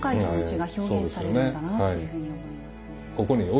はい。